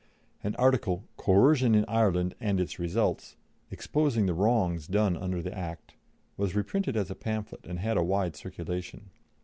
An article "Coercion in Ireland and its Results," exposing the wrongs done under the Act, was reprinted as a pamphlet and had a wide circulation.